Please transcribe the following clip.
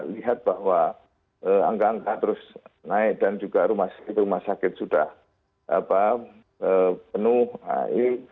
lihat bahwa angka angka terus naik dan juga rumah sakit sudah penuh air